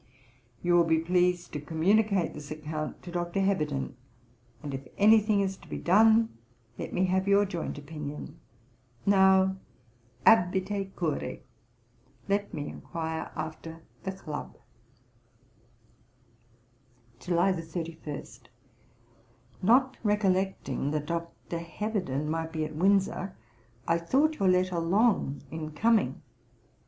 You will be pleased to communicate this account to Dr. Heberden, and if any thing is to be done, let me have your joint opinion. Now abite curoe; let me enquire after the Club.' July 31. 'Not recollecting that Dr. Heberden might be at Windsor, I thought your letter long in coming.